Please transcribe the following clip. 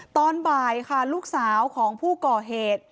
ตอนบ่ายค่ะลูกสาวของผู้ก่อเหตุ